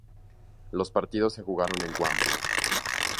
Los partidos se jugaron en Guam.